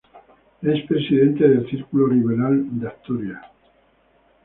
Es presidente del Círculo Liberal de Asturias.